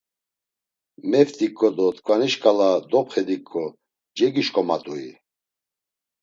Meft̆iǩo do tkvani şǩala dopxediǩo cegişǩomat̆ui!